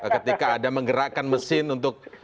ketika ada menggerakkan mesin untuk